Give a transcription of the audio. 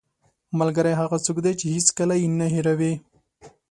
ملګری هغه څوک دی چې هېڅکله یې نه هېروې